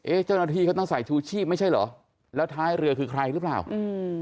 เจ้าหน้าที่เขาต้องใส่ชูชีพไม่ใช่เหรอแล้วท้ายเรือคือใครหรือเปล่าอืม